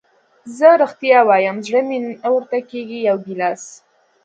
زه رښتیا وایم زړه مې نه ورته کېږي، یو ګیلاس.